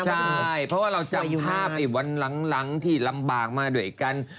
ใช่เพราะว่าเราจำภาพไอ้วันหลังที่ลำบากมาด้วยกัน